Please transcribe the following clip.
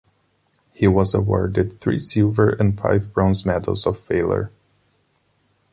He was awarded three silver and five bronze medals of valor.